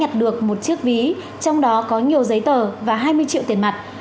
hai em đã nhận được một chiếc ví trong đó có nhiều giấy tờ và hai mươi triệu tiền mặt